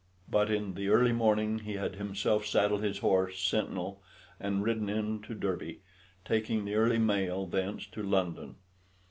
But in the early morning he had himself saddled his horse Sentinel and ridden in to Derby, taking the early mail thence to London.